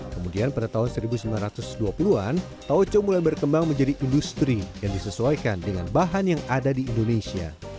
kemudian pada tahun seribu sembilan ratus dua puluh an taoco mulai berkembang menjadi industri yang disesuaikan dengan bahan yang ada di indonesia